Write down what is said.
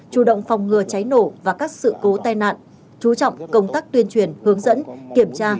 chủ động phòng ngừa cháy nổ và các sự cố tai nạn chú trọng công tác tuyên truyền hướng dẫn kiểm tra